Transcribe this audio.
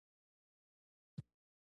د زړه د درد لپاره باید څه وکړم؟